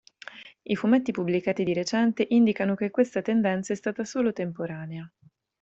I fumetti pubblicati di recente indicano che questa tendenza è stata solo temporanea.